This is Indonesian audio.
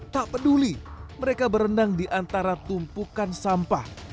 tak peduli mereka berenang di antara tumpukan sampah